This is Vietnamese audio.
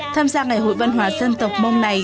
tham gia ngày hội văn hóa dân tộc mông này